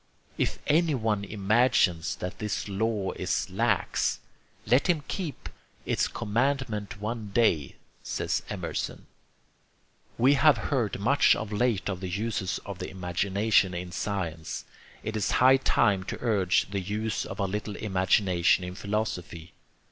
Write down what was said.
If anyone imagines that this law is lax, let him keep its commandment one day, says Emerson. We have heard much of late of the uses of the imagination in science. It is high time to urge the use of a little imagination in philosophy.